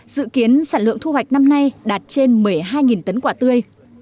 dự kiến sản lượng thu hoạch năm nay đạt trên một mươi hai tấn quả tươi